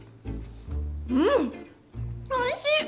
うんおいしい！